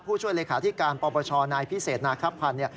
ผู้ช่วยเหล้คาที่การปปชนทคพันธุ์